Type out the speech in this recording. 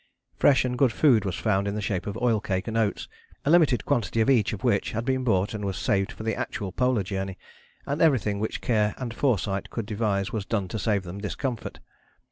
Fresh and good food was found in the shape of oilcake and oats, a limited quantity of each of which had been brought and was saved for the actual Polar Journey, and everything which care and foresight could devise was done to save them discomfort.